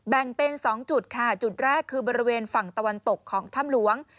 แบ่งเป็น๒จุดค่ะจุดแรกคือบริเวณฝั่งตะวันตกของถ้ำหลวง